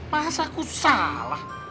masa ku salah